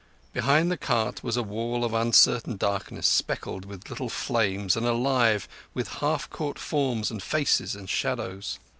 Behind the cart was a wall of uncertain darkness speckled with little flames and alive with half caught forms and faces and shadows.